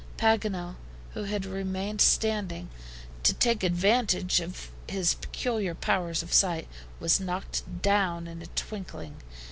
Paganel, who had remained standing, to take advantage of his peculiar powers of sight, was knocked down in a twinkling.